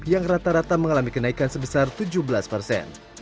yang rata rata mengalami kenaikan sebesar tujuh belas persen